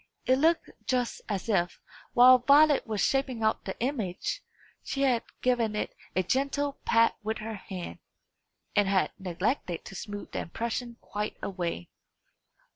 It looked just as if, while Violet was shaping out the image, she had given it a gentle pat with her hand, and had neglected to smooth the impression quite away.